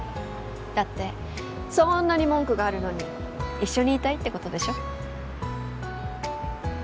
だってそーんなに文句があるのに一緒にいたいってことでしょ？